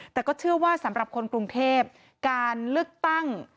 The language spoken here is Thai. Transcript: แต่ก็เชื่อว่าสำหรับคนกรุงเทพการเลือกตั้ง